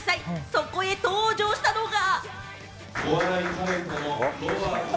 そこへ登場したのが。